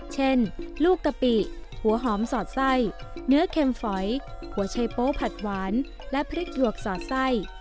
เช่นลูกกะปิหัวหอมสอดไส้เนื้อเค็มฝอยหัวชัยโป๊ผัดหวานและพริกหยวกสอดไส้